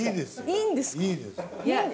いいんですか？